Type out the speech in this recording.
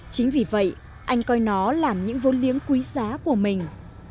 chính vì vậy anh coi nó làm những vốn liếng quý giá của mình